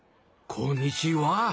こんにちは。